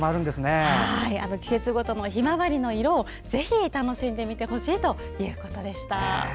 季節ごとのヒマワリの色をぜひ楽しんでみてほしいということでした。